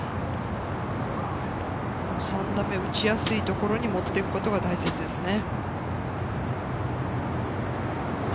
３打目、打ちやすいところに持っていくことが大切ですね。